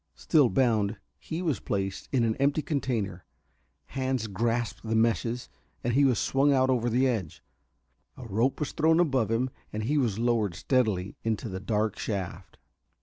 Still bound, he was placed in the empty container. Hands grasped the meshes, and he was swung out over the edge. A rope was above him: he was lowered steadily into the dark shaft.